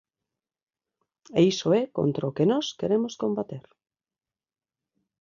E iso é contra o que nós queremos combater.